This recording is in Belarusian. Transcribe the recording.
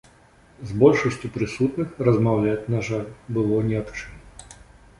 З большасцю прысутных, размаўляць, на жаль, было ні аб чым.